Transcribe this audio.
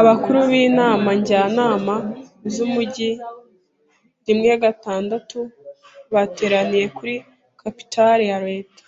Abakuru b'inama njyanama z'umujyi rimwegatandatu bateraniye kuri capitol ya leta.